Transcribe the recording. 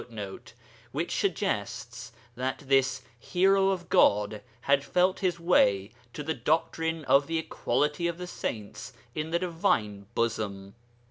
] which suggests that this Hero of God had felt his way to the doctrine of the equality of the saints in the Divine Bosom.